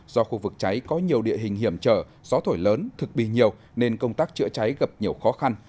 do khu vực cháy có nhiều địa hình hiểm trở gió thổi lớn thực bị nhiều nên công tác chữa cháy gặp nhiều khó khăn